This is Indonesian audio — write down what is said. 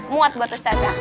muat buat ustazah